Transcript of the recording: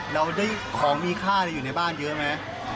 เราได้ของมีค่าอะไรอยู่ในบ้านเยอะไหม